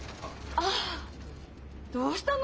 ああっどうしたの？